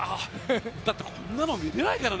だって、こんなの見れないからね。